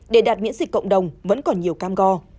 để đạt miễn dịch cộng đồng vẫn còn nhiều cam go